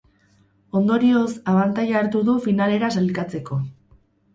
Ondorioz, abantaila hartu du finalera sailkatzeko.